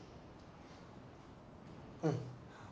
うん。